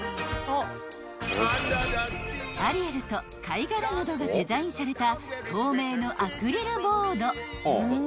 ［アリエルと貝殻などがデザインされた透明のアクリルボード］